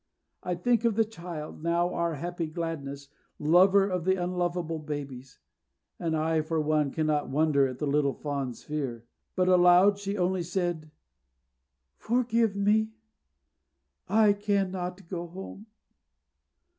I think of the child, now our happy Gladness, lover of the unlovable babies; and I for one cannot wonder at the little Fawn's fear. But aloud she only said: "Forgive me, I cannot go home."